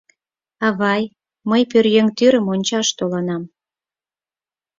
— Авый, мый пӧръеҥ тӱрым ончаш толынам.